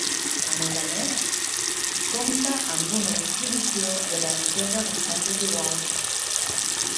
A més a més compta amb una distribució de la riquesa bastant desigual.